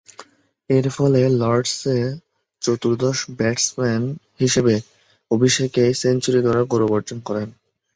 এরফলে লর্ডসে চতুর্দশ ব্যাটসম্যান হিসেবে অভিষেকেই সেঞ্চুরি করার গৌরব অর্জন করেন।